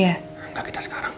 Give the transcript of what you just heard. enggak kita sekarang